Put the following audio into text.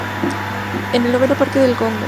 Es el noveno parque en el Congo.